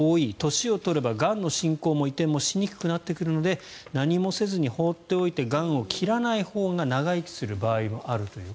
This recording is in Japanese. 年を取ればがんの進行も移転もしにくくなってくるので何もせずに放っておいてがんを切らないほうが長生きする場合もあるという。